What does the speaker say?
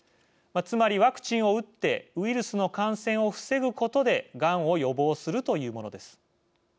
つまり、ワクチンを打ってウイルスの感染を防ぐことでがんを予防するというものです。